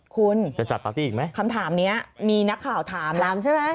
คุณคำถามนี้มีนักข่าวถามถามใช่ไหม